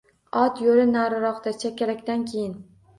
Ot yo‘li nariroqda, chakalakdan keyin.